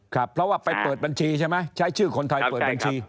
ครับเพราะว่าไปเปิดบัญชีใช่ไหมใช้ชื่อคนไทยเปิดบัญชี